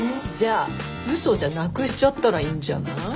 じゃあ嘘じゃなくしちゃったらいいんじゃない？